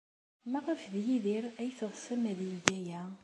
Maɣef d Yidir ay teɣsem ad yeg aya?